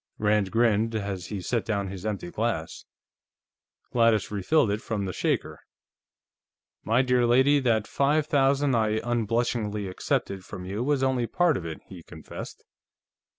Rand grinned as he set down his empty glass. Gladys refilled it from the shaker. "My dear lady, that five thousand I unblushingly accepted from you was only part of it," he confessed.